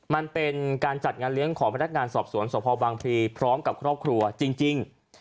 มันเป็นการจัดงานเลี้ยงของพนักงานสอบสวนสพบางพลีพร้อมกับครอบครัวจริง